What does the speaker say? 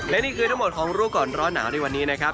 และนี่คือทั้งหมดของรู้ก่อนร้อนหนาวในวันนี้นะครับ